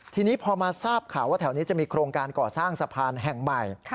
ทีนี้พอมาทราบข่าวว่าแถวนี้จะมีโครงการก่อสร้างสะพานแห่งใหม่